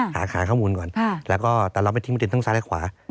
ขาขาข้อมูลก่อนแล้วก็แต่เราไปทิ้งมันติดทั้งซ้ายและขวา